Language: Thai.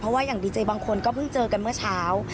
เพราะว่าอย่างดีเจบางคนก็เพิ่งเจอกันเมื่อเช้า